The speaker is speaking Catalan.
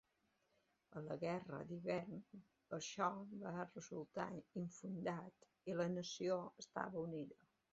A la Guerra d'Hivern això va resultar infundat i la nació estava unida.